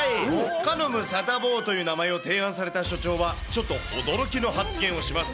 カノム・サタボーという名前を提案された所長は、ちょっと驚きの発言をします。